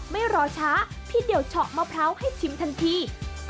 ไม่รอช้าพี่เดี่ยวเฉาะมะพร้าวให้ชิมทันที